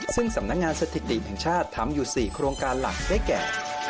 ซึ่งสำนักงานสถิติแห่งชาติทำอยู่๔โครงการหลักได้แก่